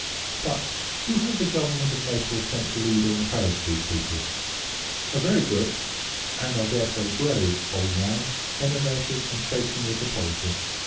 But, who have the government of Naples sent to lead or encourage these people? A very good and, I dare say, brave old man; enervated, and shaking with the palsy.